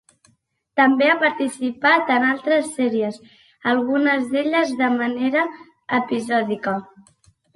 També ha participat en altres sèries, algunes d'elles de manera episòdica.